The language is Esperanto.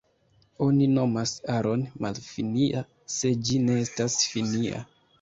Oni nomas aron malfinia, se ĝi ne estas finia.